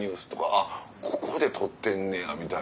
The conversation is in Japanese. あっここで撮ってんねやみたいな。